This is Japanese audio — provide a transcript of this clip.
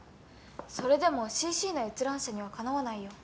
それでも『ＣＣ』の閲覧数には敵わないよ。